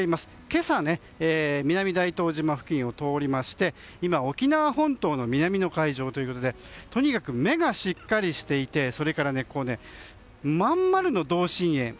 今朝、南大東島付近を通りまして今、沖縄本島の南の海上ということでとにかく目がしっかりしていてそれから、まん丸の同心円。